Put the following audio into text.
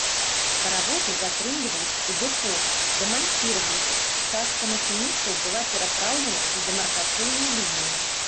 Паравозы затрымліваліся ў дэпо, дэманціраваліся, частка машыністаў была перапраўлена за дэмаркацыйную лінію.